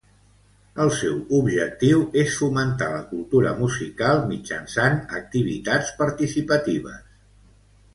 El seu objectiu és fomentar la cultura musical mitjançant activitats participatives.